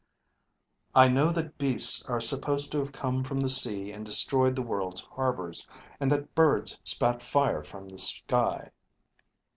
"I know that beasts are supposed to have come from the sea and destroyed the world's harbors, and that birds spat fire from the sky."